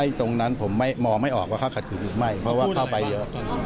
ตรงนั้นผมไม่มองไม่ออกว่าเขาขัดขืนหรือไม่เพราะว่าเข้าไปเยอะ